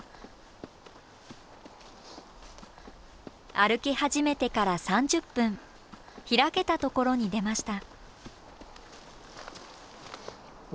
歩き始めてから３０分開けたところに出ました。